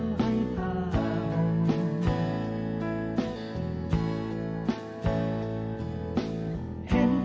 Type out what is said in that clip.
แม้อยากห่วงให้ขอบรอง